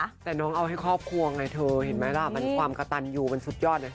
แล้วแต่น้องเอาให้ครอบครัวไงเธอเห็นไม่ร่ะความกระตันอยู่เป็นสุดยอดนะ